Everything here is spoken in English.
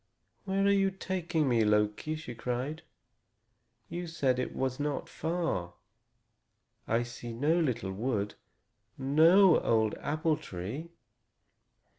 "Where are you taking me, Loki?" she cried. "You said it was not far. I see no little wood, no old apple tree."